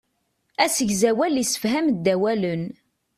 Asegzawal issefham-d awalen.